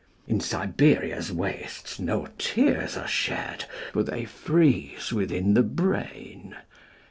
In Siberia's wastesNo tears are shed, For they freeze within the brain.